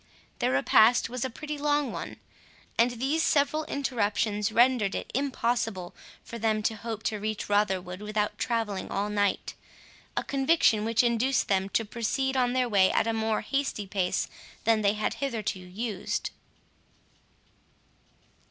Their repast was a pretty long one; and these several interruptions rendered it impossible for them to hope to reach Rotherwood without travelling all night, a conviction which induced them to proceed on their way at a more hasty pace than they had hitherto used.